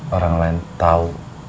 orang lain tau